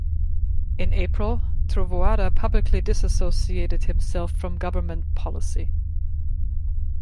In April Trovoada publicly dissociated himself from government policy.